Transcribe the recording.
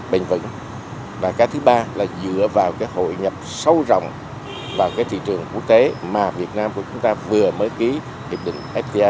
bình vững và cái thứ ba là dựa vào cái hội nhập sâu rộng vào cái thị trường quốc tế mà việt nam của chúng ta vừa mới ký hiệp định fta